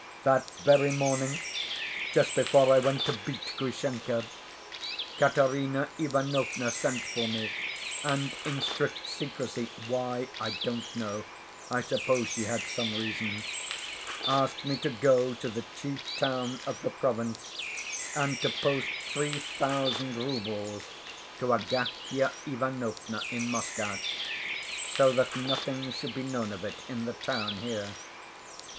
That very morning, just before I went to beat Grushenka, Katerina Ivanovna sent for me, and in strict secrecy (why I don't know, I suppose she had some reason) asked me to go to the chief town of the province and to post three thousand roubles to Agafya Ivanovna in Moscow, so that nothing should be known of it in the town here.